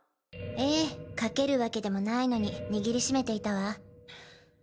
ええかけるわけでもないのに握りしめていたわ。